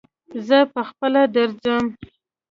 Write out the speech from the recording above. زه په خپله درځم